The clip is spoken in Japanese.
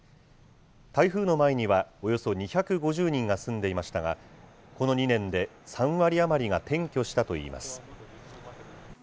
台風の前にはおよそ２５０人が住んでいましたが、この２年で３割余りが転居したといいます。